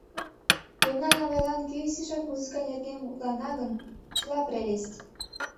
— Мемнан авайлан, кӧ изишак музыка нерген мутла-на гын, чыла прелесть...